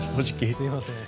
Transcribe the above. すみません。